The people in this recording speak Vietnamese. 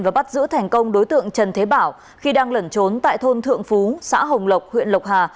và bắt giữ thành công đối tượng trần thế bảo khi đang lẩn trốn tại thôn thượng phú xã hồng lộc huyện lộc hà